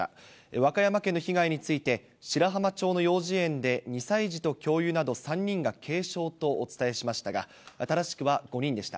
和歌山県の被害について、白浜町の幼児園で２歳児と教諭など３人が軽傷とお伝えしましたが、正しくは５人でした。